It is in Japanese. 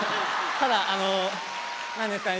ただあの何ですかね？